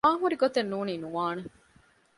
ވާންހުރި ގޮތެއް ނޫނީ ނުވާނެ